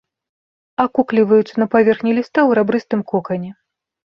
Акукліваюцца на паверхні ліста ў рабрыстым кокане.